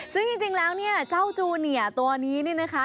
ซึ่งจริงแล้วเจ้าจูเนียตัวนี้นะคะ